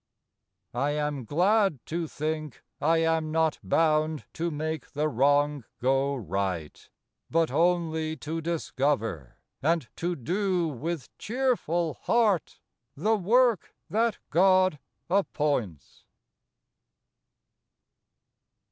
I am glad to think I am not bound to make the wrong go right: But only to discover, and to do With cheerful heart, the work that God appoints.